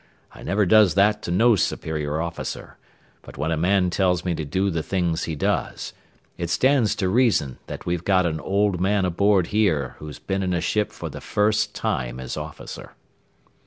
I never does that to no superior officer, but when a man tells me to do the things he does, it stands to reason that we've got an old man aboard here who's been in a ship for the first time as officer."